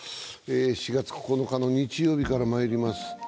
４月９日、日曜日からまいります。